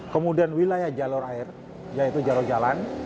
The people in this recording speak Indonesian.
kemudian wilayah jalur air yaitu jalur jalan